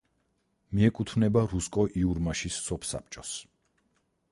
მიეკუთვნება რუსკო-იურმაშის სოფსაბჭოს.